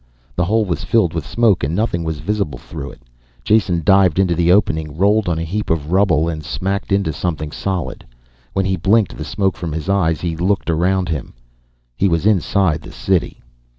The hole was filled with smoke and nothing was visible through it. Jason dived into the opening, rolled on a heap of rubble and smacked into something solid. When he blinked the smoke from his eyes he looked around him. He was inside the city.